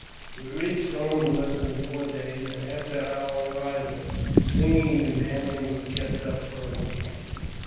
We reached home in less than four days ; and, after our arrival,, singing and dancing were kept up for a week.